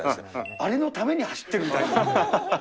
あれのために走ってるみたいな。